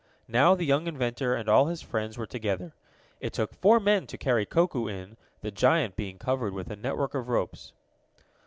Now the young inventor and all his friends were together. It took four men to carry Koku in, the giant being covered with a network of ropes.